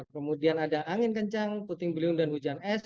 kemudian ada angin kencang puting beliung dan hujan es